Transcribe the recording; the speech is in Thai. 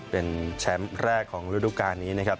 เป็นแชมป์แรกของฤดูการนี้นะครับ